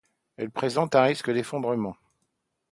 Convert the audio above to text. Elle présente un risque d'effondrement.